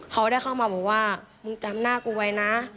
เขาได้เข้ามาบอกว่ามึงจำหน้ากูไว้นะ